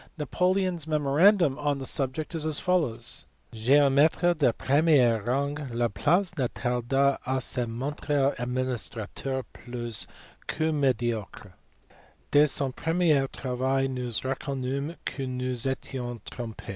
Napoleon s memorandum on the subject is as follows. "Geometre de premier rang, Laplace ne tarda pas a se montrer administrateur plus que mediocre ; des son premier travail nous reconnumes que nous nous etions trompe.